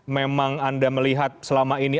memang anda melihat selama ini